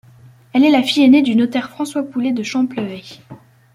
Elle est la fille aînée du notaire François Poulet de Champlevey.